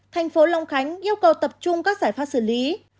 tp long khánh yêu cầu tập trung các giải pháp xử lý